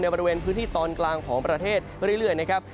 บริเวณพื้นที่ตอนกลางของประเทศเรื่อยนะครับ